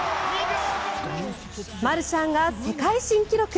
マルシャンが世界新記録！